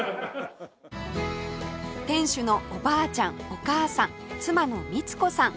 店主のおばあちゃんお母さん妻の美津子さん